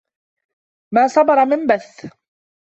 مَا صَبَرَ مَنْ بَثَّ